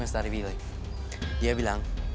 semesta dari wili dia bilang